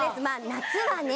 夏はね